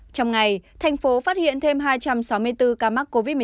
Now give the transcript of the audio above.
trong ngày thành phố phát hiện thêm hai trăm sáu mươi bốn ca mắc covid một mươi chín